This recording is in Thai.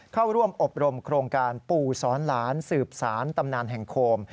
เข้าร่วมอบรมโครงการปู่สอนหลานสืบสารตำนานแห่งโคม